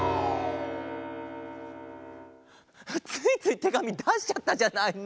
ついついてがみだしちゃったじゃないの。